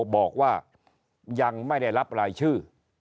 บอกว่ายังไม่ได้รับรายชื่อ